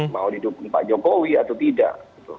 mau didukung pak jokowi atau tidak